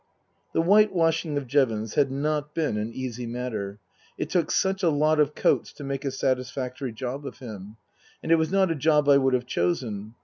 The whitewashing of Jevons had not been an easy matter. It took such a lot of coats to make a satisfactory job of him. And it was not a job I would have chosen.